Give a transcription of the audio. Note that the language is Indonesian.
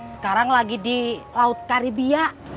sekarang lagi di laut karibia